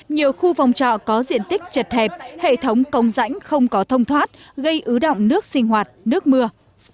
nhiều khu phòng trọ có diện tích chật hẹp hệ thống công rãnh không có thông thoát gây ứ động nước sinh hoạt nước mưa